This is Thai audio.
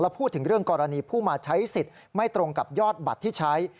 พูดถึงเรื่องกรณีผู้มาใช้สิทธิ์ไม่ตรงกับยอดบัตรที่ใช้